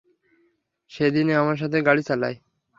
সে দিনে আমার সাথে গাড়ি চালায়।